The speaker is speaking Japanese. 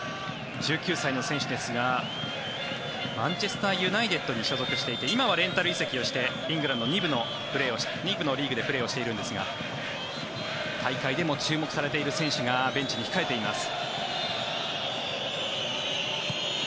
１９歳の選手ですがマンチェスター・ユナイテッドに所属していて今はレンタル移籍をしてイングランド２部のリーグでプレーしているんですが大会でも注目されている選手がベンチに控えています。